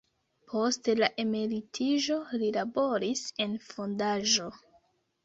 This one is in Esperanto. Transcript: Post la emeritiĝo li laboris en fondaĵo.